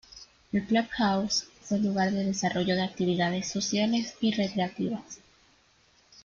El club house es el lugar de desarrollo de actividades sociales y recreativas.